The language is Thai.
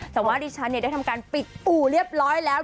แต่ว่าดิฉันได้ทำการปิดอู่เรียบร้อยแล้ว